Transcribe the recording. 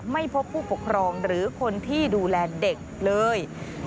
ไม่พบผู้ปกครองหรือคนที่ดูแลเด็กเลย